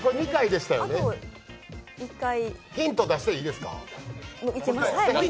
ヒント出していいですか？